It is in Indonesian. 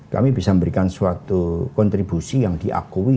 kami bisa memberikan suatu kontribusi yang diakui